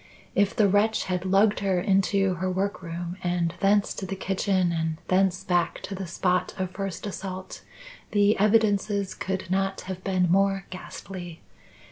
If the wretch had lugged her into her workroom and thence to the kitchen, and thence back to the spot of first assault, the evidences could not have been more ghastly.